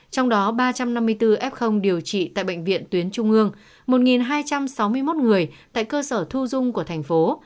trong đó ba trăm năm mươi bốn f điều trị tại bệnh viện tuyến trung ương một hai trăm sáu mươi một người tại cơ sở thu dung của thành phố